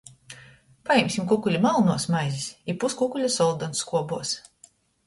Pajimsim kukuli malnuos maizis i puskukuļa soldonskuobuos!